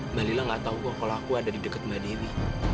mbak lila gak tau kok kalau aku ada di deket mbak dewi